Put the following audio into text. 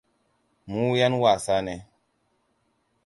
Mu ƴan wasa ne.